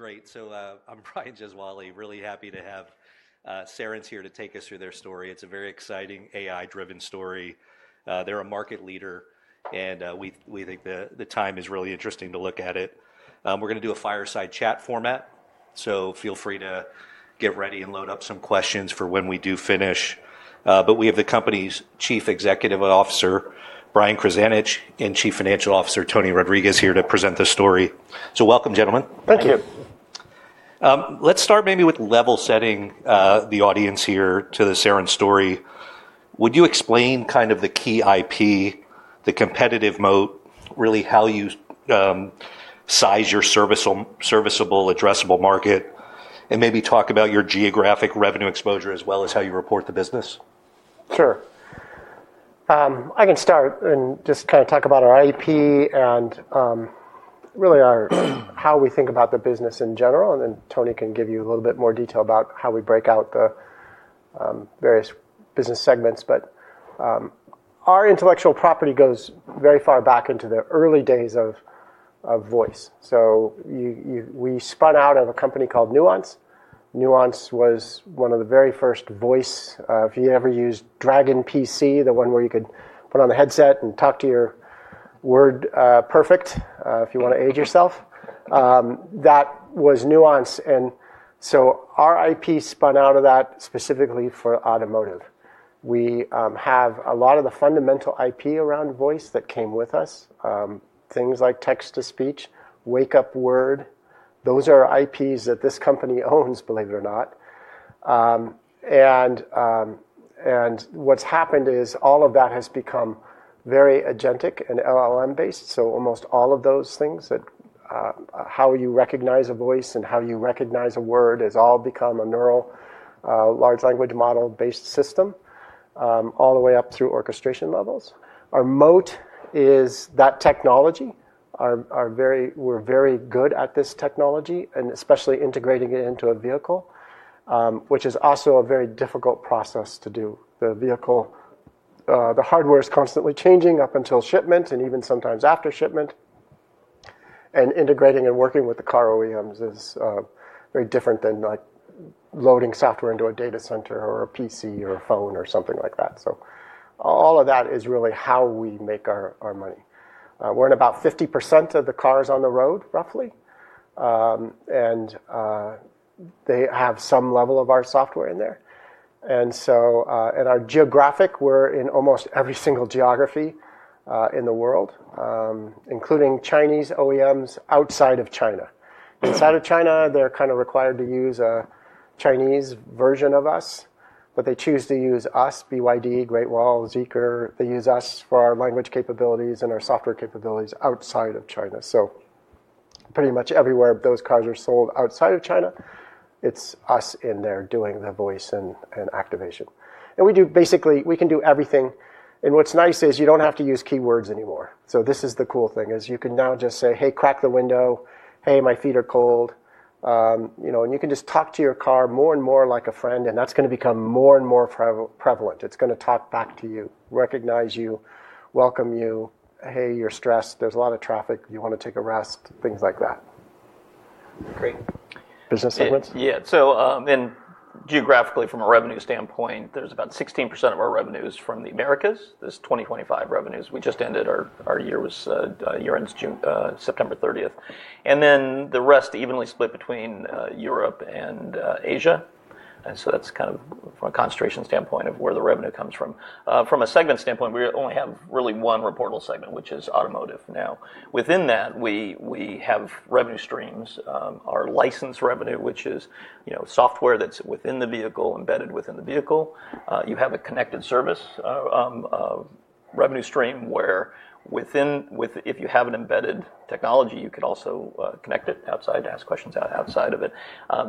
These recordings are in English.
Great, so I'm Brian Gesuale. Really happy to have Cerence here to take us through their story. It's a very exciting AI-driven story. They're a market leader, and we think the time is really interesting to look at it. We're gonna do a fireside chat format, so feel free to get ready and load up some questions for when we do finish, but we have the company's Chief Executive Officer, Brian Krzanich, and Chief Financial Officer, Tony Rodriquez, here to present the story, so welcome, gentlemen. Thank you. Let's start maybe with level setting the audience here to the Cerence story. Would you explain kind of the key IP, the competitive moat, really how you size your serviceable addressable market, and maybe talk about your geographic revenue exposure as well as how you report the business? Sure. I can start and just kinda talk about our IP and, really, our how we think about the business in general. And then Tony can give you a little bit more detail about how we break out the various business segments. But our intellectual property goes very far back into the early days of voice. So you-we spun out of a company called Nuance. Nuance was one of the very first voice, if you ever used Dragon PC, the one where you could put on the headset and talk to your WordPerfect, if you wanna age yourself. That was Nuance. And so our IP spun out of that specifically for automotive. We have a lot of the fundamental IP around voice that came with us, things like text-to-speech, Wake-Up Word. Those are IPs that this company owns, believe it or not. What's happened is all of that has become very agentic and LLM-based. So almost all of those things that, how you recognize a voice and how you recognize a word has all become a neural, large language model-based system, all the way up through orchestration levels. Our moat is that technology. We're very good at this technology and especially integrating it into a vehicle, which is also a very difficult process to do. The vehicle, the hardware is constantly changing up until shipment and even sometimes after shipment. And integrating and working with the car OEMs is very different than, like, loading software into a data center or a PC or a phone or something like that. So all of that is really how we make our money. We're in about 50% of the cars on the road, roughly. They have some level of our software in there. And so, in our geographic, we're in almost every single geography in the world, including Chinese OEMs outside of China. Inside of China, they're kinda required to use a Chinese version of us, but they choose to use us, BYD, Great Wall, Zeekr. They use us for our language capabilities and our software capabilities outside of China. So pretty much everywhere those cars are sold outside of China, it's us in there doing the voice and activation. And we do basically. We can do everything. And what's nice is you don't have to use keywords anymore. So this is the cool thing is you can now just say, "Hey, crack the window. Hey, my feet are cold," you know, and you can just talk to your car more and more like a friend, and that's gonna become more and more prevalent. It's gonna talk back to you, recognize you, welcome you. "Hey, you're stressed. There's a lot of traffic. You wanna take a rest?" Things like that. Great. Business segments? Yeah. So and geographically, from a revenue standpoint, there's about 16% of our revenues from the Americas for 2025. We just ended our year. Our year-end is September 30th. And then the rest evenly split between Europe and Asia. And so that's kind of from a concentration standpoint of where the revenue comes from. From a segment standpoint, we only have really one reportable segment, which is automotive now. Within that, we have revenue streams, our license revenue, which is, you know, software that's within the vehicle, embedded within the vehicle. You have a connected service revenue stream where, with if you have an embedded technology, you could also connect it outside, ask questions outside of it.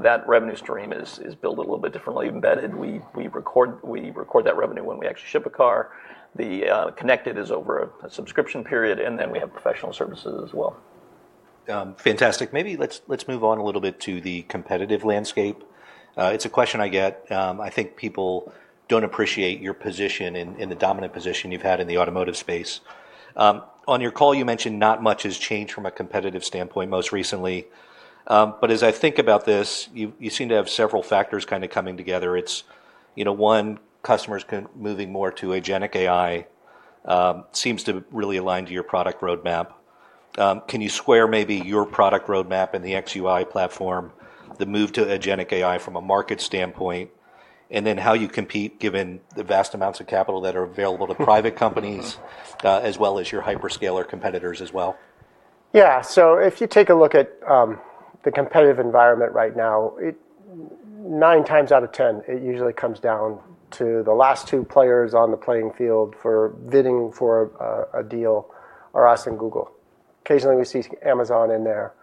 That revenue stream is built a little bit differently. Embedded, we record that revenue when we actually ship a car. The connected is over a subscription period, and then we have professional services as well. Fantastic. Maybe let's move on a little bit to the competitive landscape. It's a question I get. I think people don't appreciate your position in the dominant position you've had in the automotive space. On your call, you mentioned not much has changed from a competitive standpoint most recently. But as I think about this, you seem to have several factors kinda coming together. It's, you know, one, customers are moving more to agentic AI, seems to really align to your product roadmap. Can you square maybe your product roadmap and the xUI platform, the move to agentic AI from a market standpoint, and then how you compete given the vast amounts of capital that are available to private companies, as well as your hyperscaler competitors as well? Yeah. So if you take a look at the competitive environment right now, it nine times out of 10 usually comes down to the last two players on the playing field for bidding for a deal are us and Google. Occasionally, we see Amazon in there.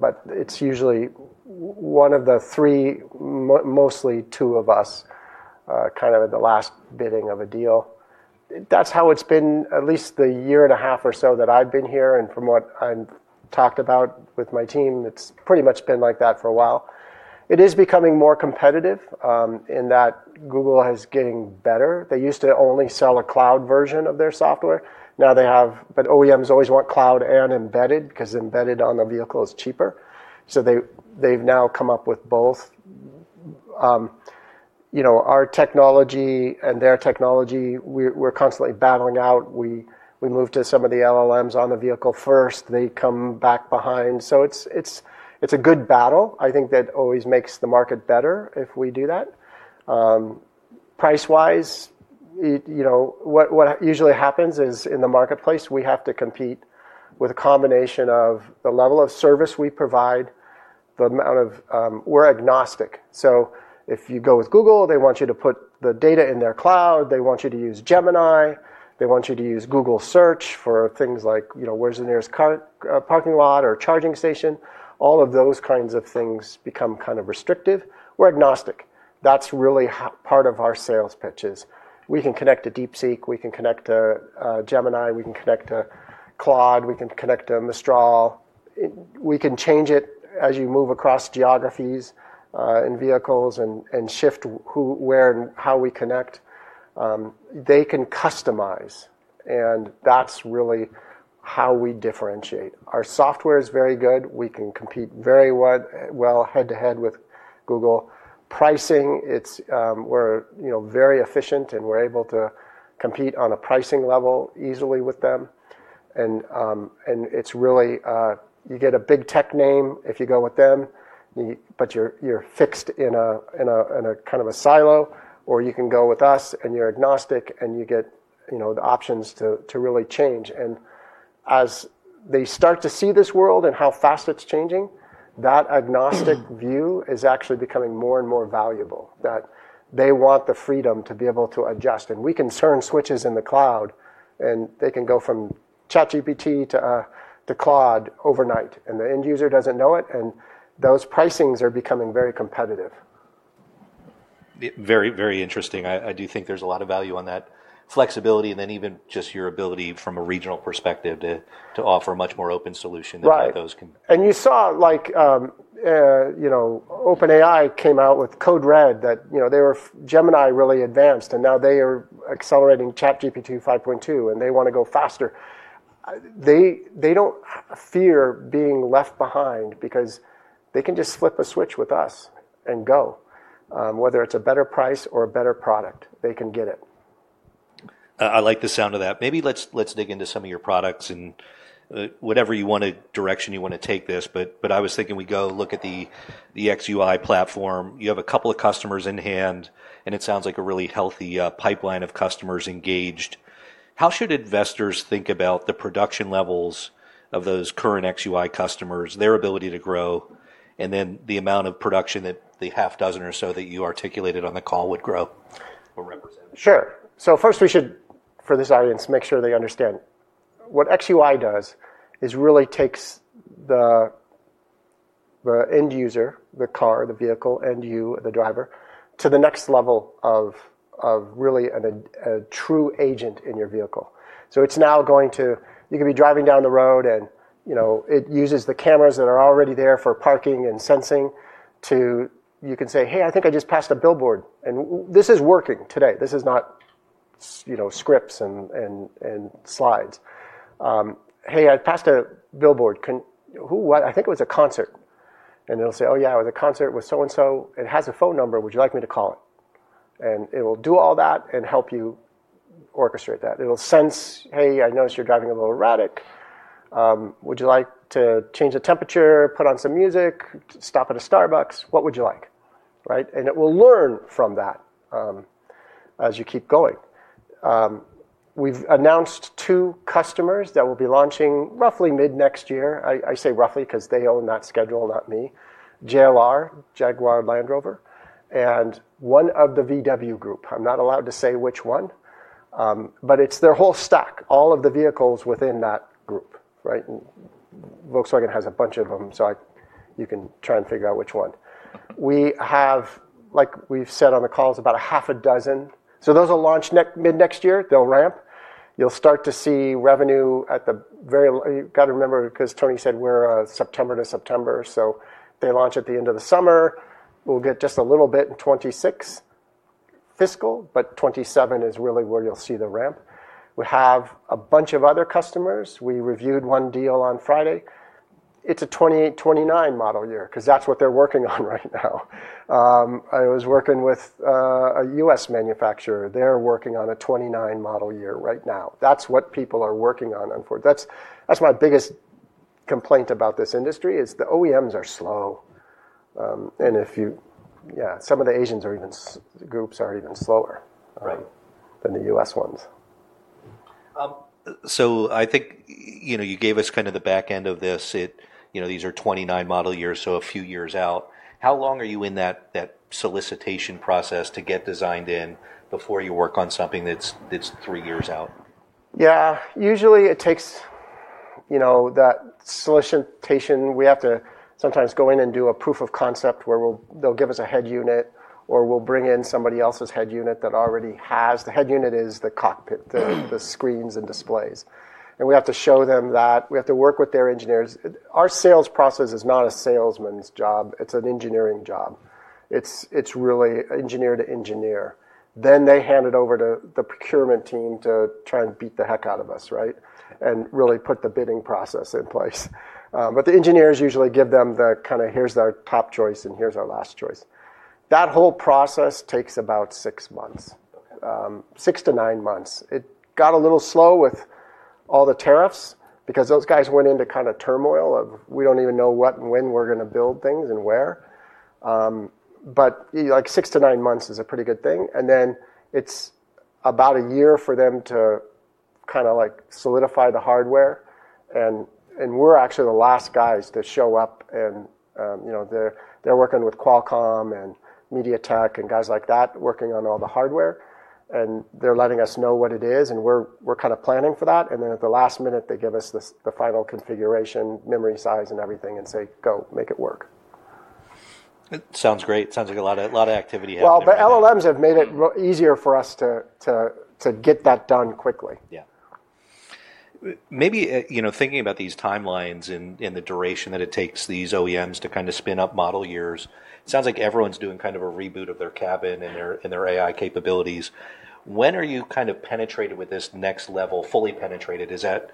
But it's usually one of the three, mostly two of us, kind of at the last bidding of a deal. That's how it's been at least the year and a half or so that I've been here, and from what I've talked about with my team, it's pretty much been like that for a while. It is becoming more competitive, in that Google is getting better. They used to only sell a cloud version of their software. Now they have, but OEMs always want cloud and embedded because embedded on the vehicle is cheaper, so they've now come up with both. You know, our technology and their technology, we're constantly battling out. We moved to some of the LLMs on the vehicle first. They come back behind. So it's a good battle. I think that always makes the market better if we do that. Price-wise, it, you know, what usually happens is in the marketplace, we have to compete with a combination of the level of service we provide, the amount of, we're agnostic. So if you go with Google, they want you to put the data in their cloud. They want you to use Gemini. They want you to use Google Search for things like, you know, where's the nearest Starbucks, parking lot or charging station. All of those kinds of things become kind of restrictive. We're agnostic. That's really how part of our sales pitch is. We can connect to DeepSeek. We can connect to, Gemini. We can connect to Claude. We can connect to Mistral. We can change it as you move across geographies, and vehicles, and shift who, where, and how we connect. They can customize, and that's really how we differentiate. Our software is very good. We can compete very well head-to-head with Google. Pricing, it's, we're, you know, very efficient, and we're able to compete on a pricing level easily with them, and it's really, you get a big tech name if you go with them, but you're fixed in a kind of a silo, or you can go with us, and you're agnostic, and you get, you know, the options to really change, and as they start to see this world and how fast it's changing, that agnostic view is actually becoming more and more valuable, that they want the freedom to be able to adjust. We can turn switches in the cloud, and they can go from ChatGPT to Claude overnight, and the end user doesn't know it. Those pricings are becoming very competitive. Very, very interesting. I do think there's a lot of value on that flexibility and then even just your ability from a regional perspective to offer a much more open solution than what those can. Right, and you saw, like, you know, OpenAI came out with Code Red that, you know, they were Gemini really advanced, and now they are accelerating ChatGPT 5.2, and they wanna go faster. They don't fear being left behind because they can just flip a switch with us and go, whether it's a better price or a better product, they can get it. I like the sound of that. Maybe let's dig into some of your products and, whatever direction you wanna take this. But I was thinking we go look at the xUI platform. You have a couple of customers in hand, and it sounds like a really healthy pipeline of customers engaged. How should investors think about the production levels of those current xUI customers, their ability to grow, and then the amount of production that the half dozen or so that you articulated on the call would grow or represent? Sure. So first, we should, for this audience, make sure they understand what xUI does is really takes the end user, the car, the vehicle, and you, the driver, to the next level of really a true agent in your vehicle. So it's now going to - you could be driving down the road, and, you know, it uses the cameras that are already there for parking and sensing to - you can say, "Hey, I think I just passed a billboard." And this is working today. This is not, you know, scripts and slides. "Hey, I passed a billboard. Can who - what? I think it was a concert." And it'll say, "Oh, yeah, it was a concert with so-and-so. It has a phone number. Would you like me to call it?" And it will do all that and help you orchestrate that. It'll sense, "Hey, I noticed you're driving a little erratic. Would you like to change the temperature, put on some music, stop at a Starbucks? What would you like?" Right? And it will learn from that, as you keep going. We've announced two customers that will be launching roughly mid-next year. I say roughly 'cause they own that schedule, not me: JLR, Jaguar Land Rover, and one of the VW Group. I'm not allowed to say which one, but it's their whole stack, all of the vehicles within that group, right? And Volkswagen has a bunch of them, so you can try and figure out which one. We have, like we've said on the calls, about a half a dozen. So those will launch next mid-next year. They'll ramp. You'll start to see revenue at the very—you gotta remember 'cause Tony said we're, September to September. So they launch at the end of the summer. We'll get just a little bit in fiscal 2026, but 2027 is really where you'll see the ramp. We have a bunch of other customers. We reviewed one deal on Friday. It's a 2028-2029 model year 'cause that's what they're working on right now. I was working with a U.S. manufacturer. They're working on a 2029 model year right now. That's what people are working on, unfortunately. That's, that's my biggest complaint about this industry is the OEMs are slow. Some of the Asian OEMs are even slower. Right. Than the U.S. ones. So I think, you know, you gave us kinda the back end of this. It, you know, these are 2029 model years, so a few years out. How long are you in that solicitation process to get designed in before you work on something that's three years out? Yeah. Usually, it takes, you know, that solicitation. We have to sometimes go in and do a proof of concept where we'll—they'll give us a head unit, or we'll bring in somebody else's head unit that already has—the head unit is the cockpit, the, the screens and displays. And we have to show them that. We have to work with their engineers. Our sales process is not a salesman's job. It's an engineering job. It's, it's really engineer to engineer. Then they hand it over to the procurement team to try and beat the heck out of us, right, and really put the bidding process in place. But the engineers usually give them the kinda, "Here's our top choice, and here's our last choice." That whole process takes about six months, six to nine months. It got a little slow with all the tariffs because those guys went into kinda turmoil of, "We don't even know what and when we're gonna build things and where." But, you know, like, six to nine months is a pretty good thing. And then it's about a year for them to kinda, like, solidify the hardware. And we're actually the last guys to show up and, you know, they're working with Qualcomm and MediaTek and guys like that working on all the hardware. And they're letting us know what it is, and we're kinda planning for that. And then at the last minute, they give us the final configuration, memory size, and everything, and say, "Go, make it work. It sounds great. Sounds like a lot of activity happening. The LLMs have made it easier for us to get that done quickly. Yeah. Maybe, you know, thinking about these timelines and the duration that it takes these OEMs to kinda spin up model years, it sounds like everyone's doing kind of a reboot of their cabin and their AI capabilities. When are you kind of penetrated with this next level, fully penetrated? Is that,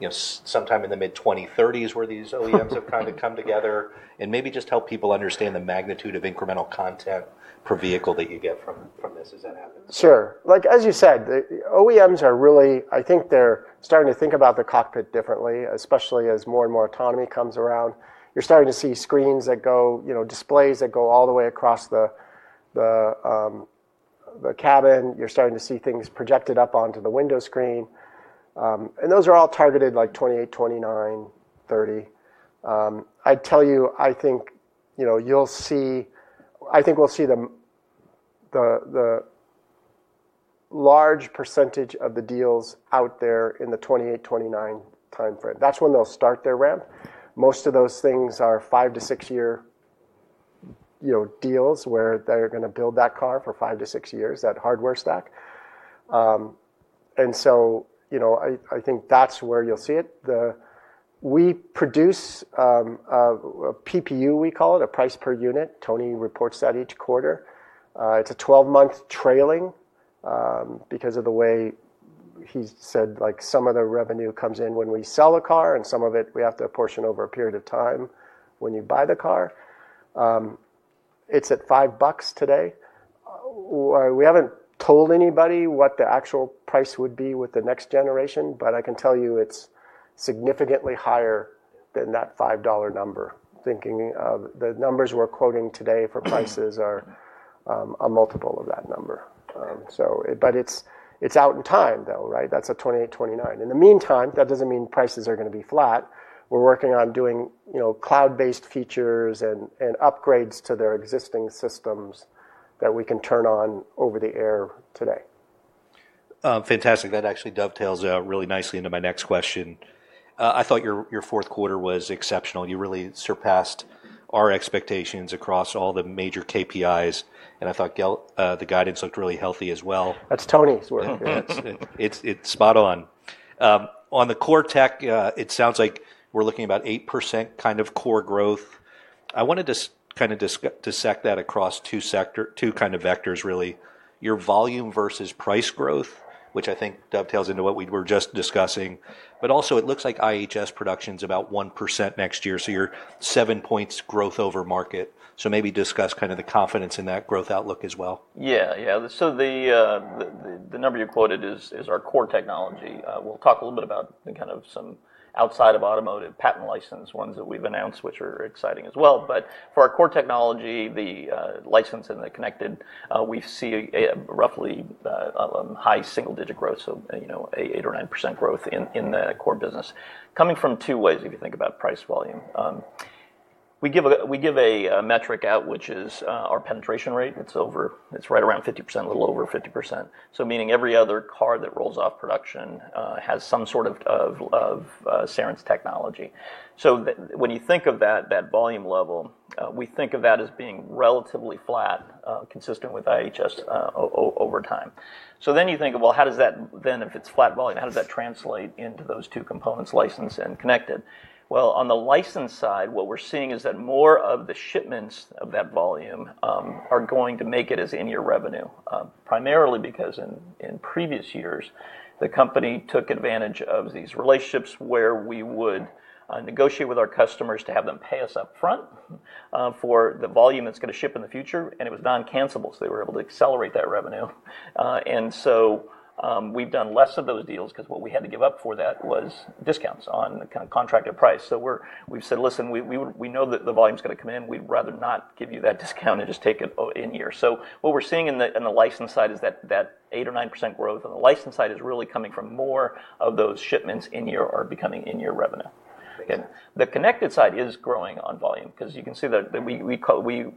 you know, sometime in the mid-2030s where these OEMs have kinda come together and maybe just help people understand the magnitude of incremental content per vehicle that you get from this as that happens? Sure. Like, as you said, the OEMs are really, I think they're starting to think about the cockpit differently, especially as more and more autonomy comes around. You're starting to see screens that go, you know, displays that go all the way across the cabin. You're starting to see things projected up onto the window screen, and those are all targeted like 2028, 2029, 2030. I'd tell you, I think, you know, you'll see, I think we'll see the large percentage of the deals out there in the 2028, 2029 timeframe. That's when they'll start their ramp. Most of those things are five to six-year, you know, deals where they're gonna build that car for five to six years, that hardware stack, and so, you know, I think that's where you'll see it. Then we produce a PPU, we call it, a price per unit. Tony reports that each quarter. It's a 12-month trailing, because of the way he said, like, some of the revenue comes in when we sell a car, and some of it we have to apportion over a period of time when you buy the car. It's at $5 today. We haven't told anybody what the actual price would be with the next generation, but I can tell you it's significantly higher than that $5 number. Thinking of the numbers we're quoting today for prices are a multiple of that number. So but it's out in time though, right? That's a 2028, 2029. In the meantime, that doesn't mean prices are gonna be flat. We're working on doing, you know, cloud-based features and upgrades to their existing systems that we can turn on over the air today. Fantastic. That actually dovetails out really nicely into my next question. I thought your, your fourth quarter was exceptional. You really surpassed our expectations across all the major KPIs, and I thought, the guidance looked really healthy as well. That's Tony's work. That's, it's spot on on the core tech. It sounds like we're looking at about 8% kind of core growth. I wanna just kinda dissect that across two sector, two kind of vectors, really. Your volume versus price growth, which I think dovetails into what we were just discussing. But also, it looks like IHS production's about 1% next year, so you're 7 points growth over market. So maybe discuss kinda the confidence in that growth outlook as well. Yeah. So the number you quoted is our core technology. We'll talk a little bit about some outside of automotive patent license ones that we've announced, which are exciting as well. But for our core technology, the license and the connected, we see a roughly high single-digit growth, so you know, 8% or 9% growth in the core business coming from two ways. If you think about price volume, we give a metric out, which is our penetration rate. It's right around 50%, a little over 50%. So meaning every other car that rolls off production has some sort of Cerence technology. So when you think of that volume level, we think of that as being relatively flat, consistent with IHS over time. So then you think of well, how does that then, if it's flat volume, translate into those two components, license and connected? On the license side, what we're seeing is that more of the shipments of that volume are going to make it, as in, your revenue, primarily because in previous years the company took advantage of these relationships where we would negotiate with our customers to have them pay us upfront for the volume that's gonna ship in the future, and it was non-cancelable. So they were able to accelerate that revenue, and so we've done less of those deals 'cause what we had to give up for that was discounts on the kind of contracted price. So we've said, "Listen, we would, we know that the volume's gonna come in. We'd rather not give you that discount and just take it, in here." So what we're seeing in the license side is that 8 or 9% growth on the license side is really coming from more of those shipments in year are becoming in-year revenue. And the connected side is growing on volume 'cause you can see that we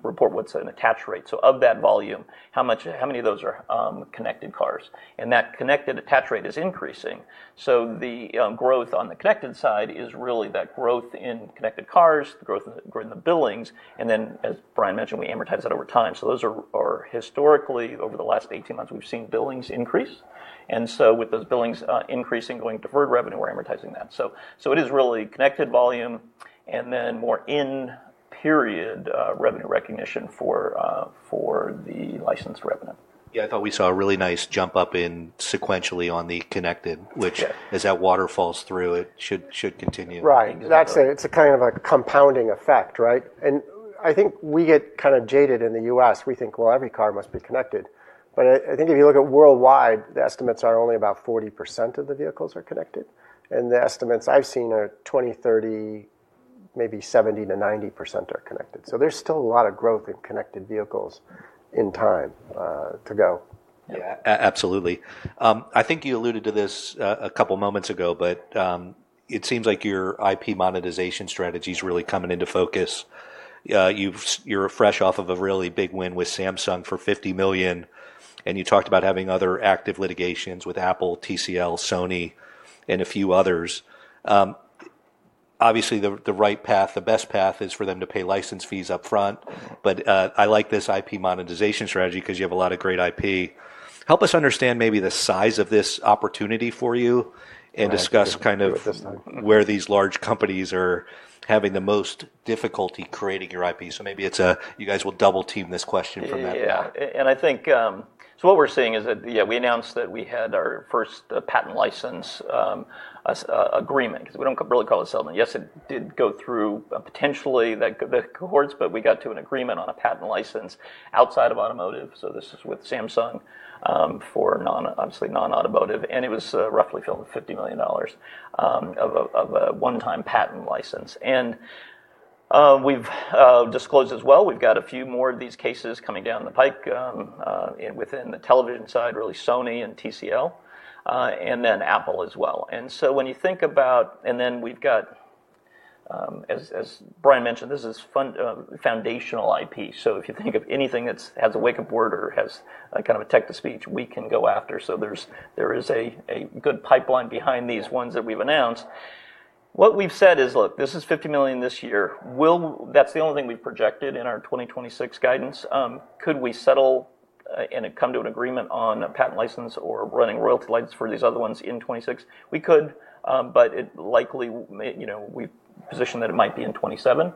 report what's an attach rate. So of that volume, how much, how many of those are connected cars? And that connected attach rate is increasing. So the growth on the connected side is really that growth in connected cars, the growth in the billings. And then, as Brian mentioned, we amortize that over time. So those are historically, over the last 18 months, we've seen billings increase. With those billings increasing, going to deferred revenue, we're amortizing that. So it is really connected volume and then more in-period revenue recognition for the licensed revenue. Yeah. I thought we saw a really nice jump up sequentially on the connected, which as that water falls through, it should continue. Right. Exactly. It's a kind of a compounding effect, right? And I think we get kind of jaded in the U.S. We think, "Well, every car must be connected." But I think if you look at worldwide, the estimates are only about 40% of the vehicles are connected. And the estimates I've seen are 20%, 30%, maybe 70%-90% are connected. So there's still a lot of growth in connected vehicles in time, to go. Yeah. Absolutely. I think you alluded to this a couple moments ago, but it seems like your IP monetization strategy's really coming into focus. You're fresh off of a really big win with Samsung for $50 million, and you talked about having other active litigations with Apple, TCL, Sony, and a few others. Obviously, the right path, the best path is for them to pay license fees upfront. But I like this IP monetization strategy 'cause you have a lot of great IP. Help us understand maybe the size of this opportunity for you and discuss kind of where these large companies are having the most difficulty creating your IP. So maybe it's a you guys will double team this question from that. Yeah. I think so what we're seeing is that. Yeah, we announced that we had our first patent license agreement 'cause we don't really call it selling. Yes, it did go through, potentially through the courts, but we got to an agreement on a patent license outside of automotive. So this is with Samsung, for non-automotive, obviously non-automotive. And it was roughly $50 million of a one-time patent license. And we've disclosed as well. We've got a few more of these cases coming down the pike, within the television side, really Sony and TCL, and then Apple as well. And so when you think about, and then we've got, as Brian mentioned, this is foundational IP. So if you think of anything that has a wake-up word or has a kind of a text-to-speech, we can go after. There is a good pipeline behind these ones that we've announced. What we've said is, "Look, this is $50 million this year. Well, that's the only thing we've projected in our 2026 guidance. Could we settle and come to an agreement on a patent license or running royalty license for these other ones in 2026?" We could, but it likely may, you know, we position that it might be in 2027.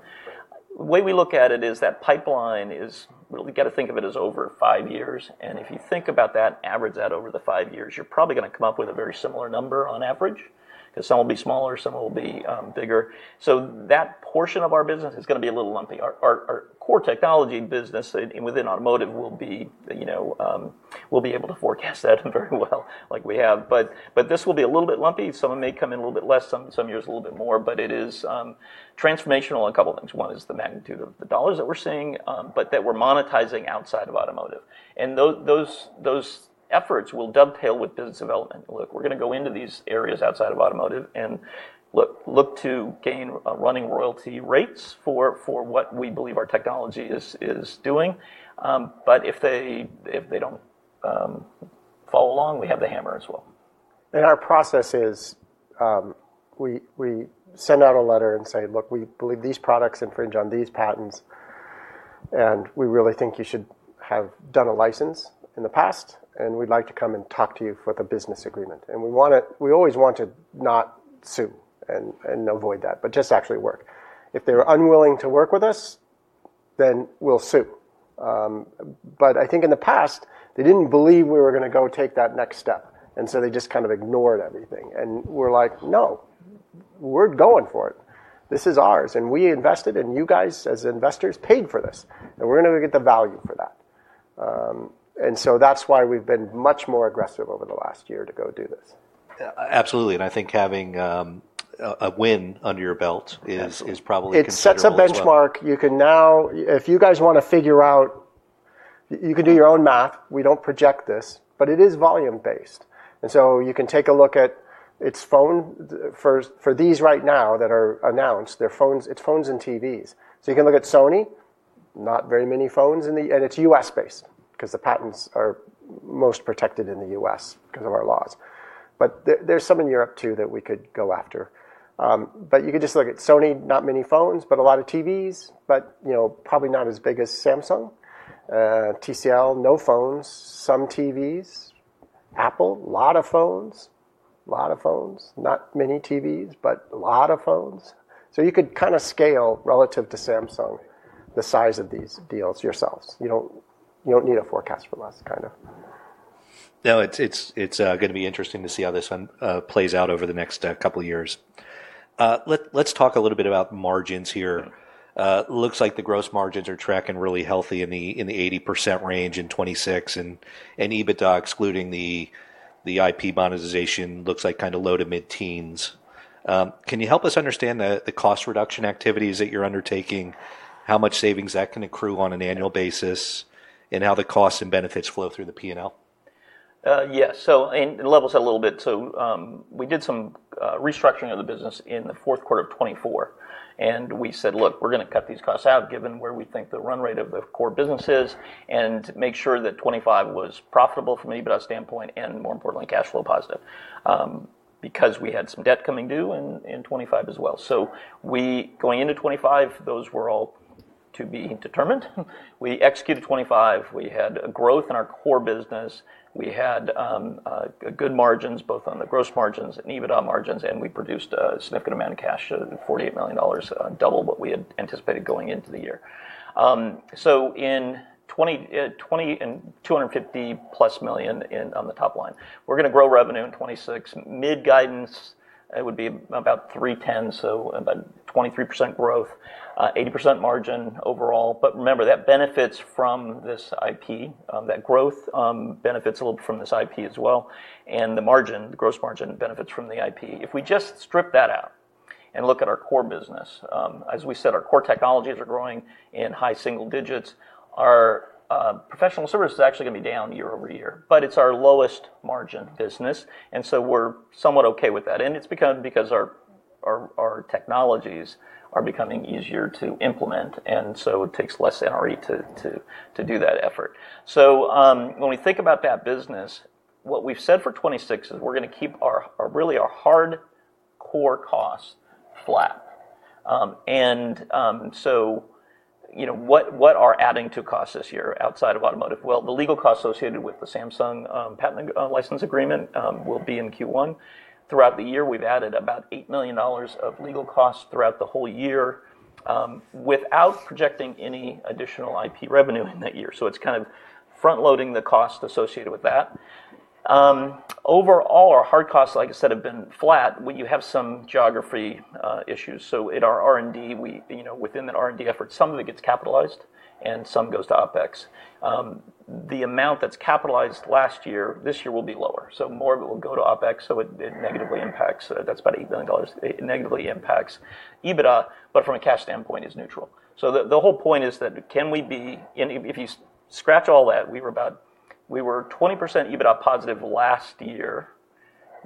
The way we look at it is that pipeline is. We gotta think of it as over five years. If you think about that, average that over the five years, you're probably gonna come up with a very similar number on average 'cause some will be smaller, some will be bigger. That portion of our business is gonna be a little lumpy. Our core technology business within automotive will be, you know, we'll be able to forecast that very well like we have. But this will be a little bit lumpy. Some may come in a little bit less, some years a little bit more, but it is transformational on a couple things. One is the magnitude of the dollars that we're seeing, but that we're monetizing outside of automotive. And those efforts will dovetail with business development. Look, we're gonna go into these areas outside of automotive and look to gain running royalty rates for what we believe our technology is doing. But if they don't follow along, we have the hammer as well. And our process is, we send out a letter and say, "Look, we believe these products infringe on these patents, and we really think you should have done a license in the past, and we'd like to come and talk to you for the business agreement." And we wanna, we always want to not sue and avoid that, but just actually work. If they're unwilling to work with us, then we'll sue. But I think in the past, they didn't believe we were gonna go take that next step. And so they just kind of ignored everything. And we're like, "No, we're going for it. This is ours. And we invested, and you guys as investors paid for this, and we're gonna get the value for that." And so that's why we've been much more aggressive over the last year to go do this. Yeah. Absolutely. And I think having a win under your belt is probably. It sets a benchmark. You can now, if you guys wanna figure out, you can do your own math. We don't project this, but it is volume-based. And so you can take a look at its portfolio for these right now that are announced, their phones, its phones and TVs. So you can look at Sony, not very many phones in the, and it's U.S.-based 'cause the patents are most protected in the U.S. 'cause of our laws. But there, there's some in Europe too that we could go after. You could just look at Sony, not many phones, but a lot of TVs, but, you know, probably not as big as Samsung, TCL, no phones, some TVs, Apple, a lot of phones, a lot of phones, not many TVs, but a lot of phones. So you could kind of scale relative to Samsung the size of these deals yourselves. You don't need a forecast for this kind of. Yeah. It's gonna be interesting to see how this one plays out over the next couple years. Let's talk a little bit about margins here. Looks like the gross margins are tracking really healthy in the 80% range in 2026. And EBITDA, excluding the IP monetization, looks like kind of low- to mid-teens. Can you help us understand the cost reduction activities that you're undertaking, how much savings that can accrue on an annual basis, and how the costs and benefits flow through the P&L? Yeah. So it levels out a little bit. So we did some restructuring of the business in the fourth quarter of 2024, and we said, "Look, we're gonna cut these costs out given where we think the run rate of the core business is and make sure that 2025 was profitable from an EBITDA standpoint and, more importantly, cash flow positive," because we had some debt coming due in 2025 as well. So we going into 2025, those were all to be determined. We executed 2025. We had a growth in our core business. We had good margins both on the gross margins and EBITDA margins, and we produced a significant amount of cash, $48 million, double what we had anticipated going into the year. So in 2025, $250 million plus on the top line, we're gonna grow revenue in 2026. Mid-guidance, it would be about $310, so about 23% growth, 80% margin overall. But remember that benefits from this IP, that growth, benefits a little bit from this IP as well. And the margin, the gross margin benefits from the IP. If we just strip that out and look at our core business, as we said, our core technologies are growing in high single digits. Our professional services is actually gonna be down year over year, but it's our lowest margin business. And so we're somewhat okay with that. And it's become because our technologies are becoming easier to implement. And so it takes less NRE to do that effort. When we think about that business, what we've said for 2026 is we're gonna keep our really our hardcore costs flat. So, you know, what are adding to costs this year outside of automotive? Well, the legal costs associated with the Samsung patent license agreement will be in Q1. Throughout the year, we've added about $8 million of legal costs throughout the whole year, without projecting any additional IP revenue in that year. So it's kind of front-loading the cost associated with that. Overall, our hard costs, like I said, have been flat when you have some geographic issues. So in our R&D, you know, within the R&D effort, some of it gets capitalized and some goes to OpEx. The amount that's capitalized last year, this year will be lower. So more of it will go to OpEx. So it negatively impacts. That's about $8 million [that] negatively impacts EBITDA, but from a cash standpoint is neutral. So the whole point is that can we be, and if you scratch all that, we were about 20% EBITDA positive last year.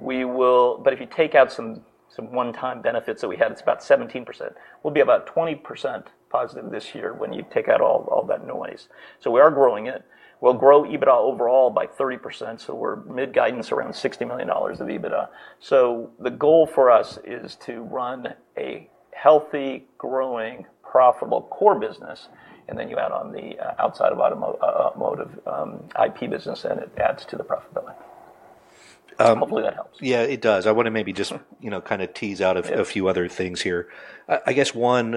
But if you take out some one-time benefits that we had, it's about 17%. We'll be about 20% positive this year when you take out all that noise. So we are growing it. We'll grow EBITDA overall by 30%. So we're mid-guidance around $60 million of EBITDA. So the goal for us is to run a healthy, growing, profitable core business, and then you add on the outside of automotive IP business, and it adds to the profitability. Hopefully that helps. Yeah, it does. I wanna maybe just, you know, kind of tease out a few other things here. I, I guess one,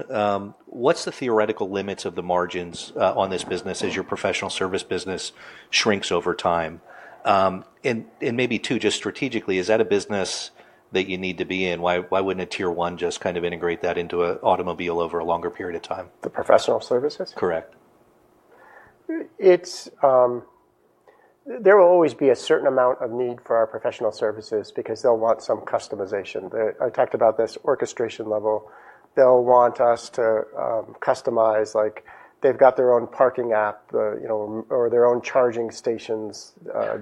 what's the theoretical limits of the margins, on this business as your professional service business shrinks over time? And, and maybe two, just strategically, is that a business that you need to be in? Why, why wouldn't a Tier 1 just kind of integrate that into a automobile over a longer period of time? The professional services? Correct. There will always be a certain amount of need for our professional services because they'll want some customization. I talked about this orchestration level. They'll want us to customize, like they've got their own parking app, you know, or their own charging stations,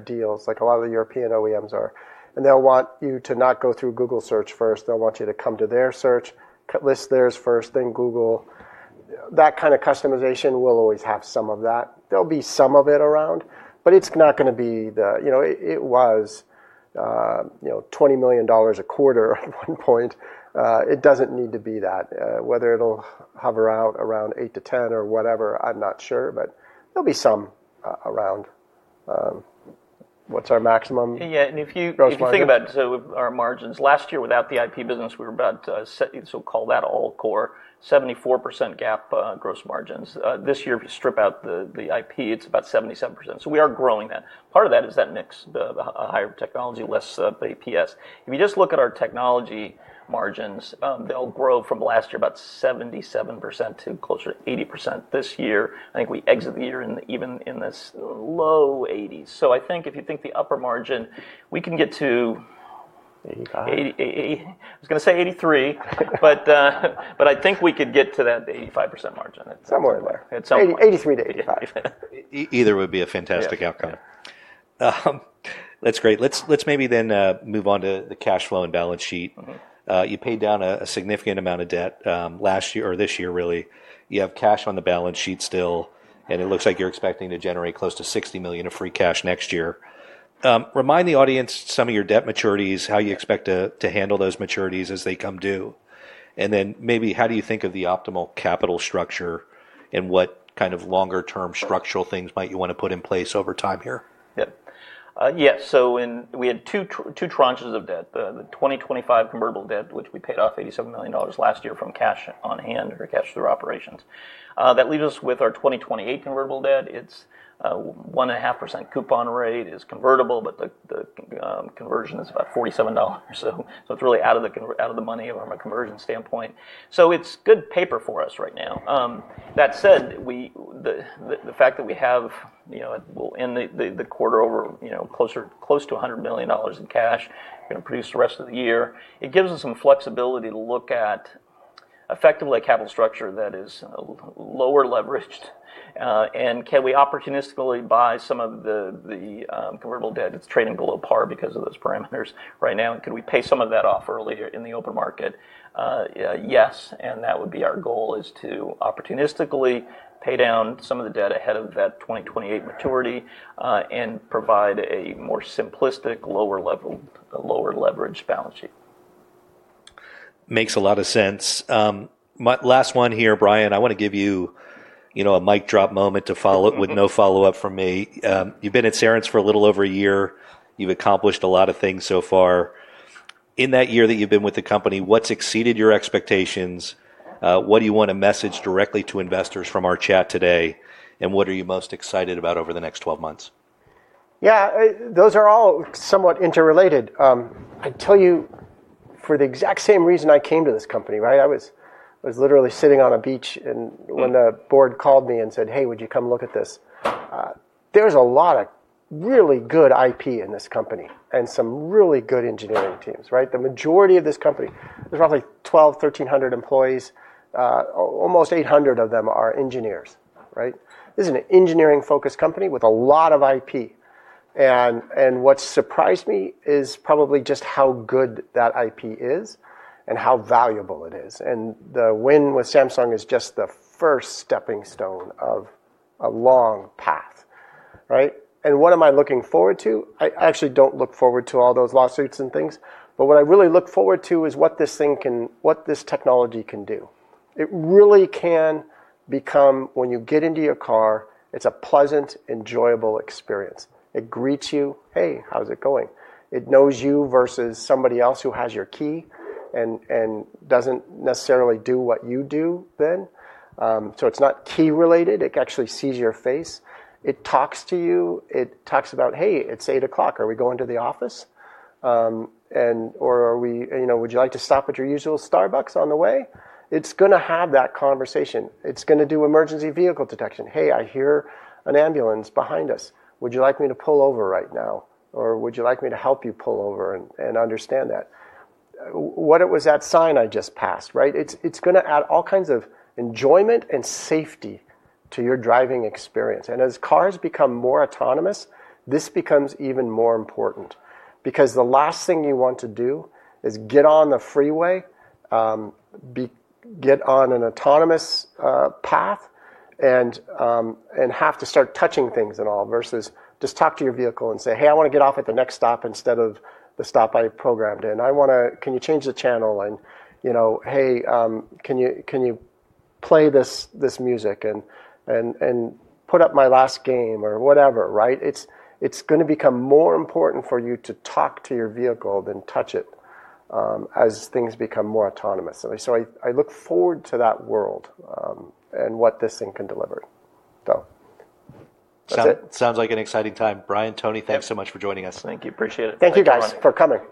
deals, like a lot of the European OEMs are. And they'll want you to not go through Google search first. They'll want you to come to their search, list theirs first, then Google. That kind of customization will always have some of that. There'll be some of it around, but it's not gonna be the, you know, it was, you know, $20 million a quarter at one point. It doesn't need to be that, whether it'll hover around $8-$10 or whatever, I'm not sure, but there'll be some around. What's our maximum? Yeah. And if you think about, so our margins last year without the IP business, we were about, say, so call that all core 74% GAAP gross margins. This year if you strip out the IP, it's about 77%. So we are growing that. Part of that is that mix, the higher technology, less ASP. If you just look at our technology margins, they'll grow from last year about 77% to closer to 80% this year. I think we exit the year in even in this low 80s. So I think if you think the upper margin, we can get to 85, 80, 80. I was gonna say 83, but I think we could get to that 85% margin. Somewhere there. 83-85. Either would be a fantastic outcome. That's great. Let's maybe then move on to the cash flow and balance sheet. Mm-hmm. You paid down a significant amount of debt last year or this year, really. You have cash on the balance sheet still, and it looks like you're expecting to generate close to $60 million of free cash next year. Remind the audience some of your debt maturities, how you expect to handle those maturities as they come due. And then maybe how do you think of the optimal capital structure and what kind of longer-term structural things might you wanna put in place over time here? Yep. Yeah. So, in, we had two tranches of debt, the 2025 convertible debt, which we paid off $87 million last year from cash on hand or cash through operations. That leaves us with our 2028 convertible debt. It's 1.5% coupon rate is convertible, but the conversion is about $47. So it's really out of the money from a conversion standpoint. So it's good paper for us right now. That said, the fact that we have, you know, it will end the quarter over, you know, close to $100 million in cash, gonna produce the rest of the year. It gives us some flexibility to look at effectively a capital structure that is lower leveraged, and can we opportunistically buy some of the convertible debt? It's trading below par because of those parameters right now. Could we pay some of that off earlier in the open market? Yes. And that would be our goal is to opportunistically pay down some of the debt ahead of that 2028 maturity, and provide a more simplistic, lower level, lower leverage balance sheet. Makes a lot of sense. My last one here, Brian, I wanna give you, you know, a mic drop moment to follow with no follow-up from me. You've been at Cerence for a little over a year. You've accomplished a lot of things so far. In that year that you've been with the company, what's exceeded your expectations? What do you wanna message directly to investors from our chat today? And what are you most excited about over the next 12 months? Yeah, those are all somewhat interrelated. I tell you for the exact same reason I came to this company, right? I was literally sitting on a beach and when the board called me and said, "Hey, would you come look at this?" there's a lot of really good IP in this company and some really good engineering teams, right? The majority of this company, there's roughly 1,300 employees, almost 800 of them are engineers, right? This is an engineering-focused company with a lot of IP. And what surprised me is probably just how good that IP is and how valuable it is. And the win with Samsung is just the first stepping stone of a long path, right? And what am I looking forward to? I actually don't look forward to all those lawsuits and things, but what I really look forward to is what this technology can do. It really can become, when you get into your car, it's a pleasant, enjoyable experience. It greets you, "Hey, how's it going?" It knows you versus somebody else who has your key and doesn't necessarily do what you do then. So it's not key related. It actually sees your face. It talks to you. It talks about, "Hey, it's 8 o'clock. Are we going to the office?" and or are we, you know, "Would you like to stop at your usual Starbucks on the way?" It's gonna have that conversation. It's gonna do emergency vehicle detection. "Hey, I hear an ambulance behind us. Would you like me to pull over right now? Or would you like me to help you pull over and understand that?" What it was that sign I just passed, right? It's gonna add all kinds of enjoyment and safety to your driving experience. As cars become more autonomous, this becomes even more important because the last thing you want to do is get on the freeway, get on an autonomous path and have to start touching things and all versus just talk to your vehicle and say, "Hey, I wanna get off at the next stop instead of the stop I programmed in. I wanna change the channel?" You know, "Hey, can you play this music and put up my last game or whatever," right? It's gonna become more important for you to talk to your vehicle than touch it, as things become more autonomous. I look forward to that world, and what this thing can deliver. Sounds like an exciting time. Brian, Tony, thanks so much for joining us. Thank you. Appreciate it. Thank you guys for coming.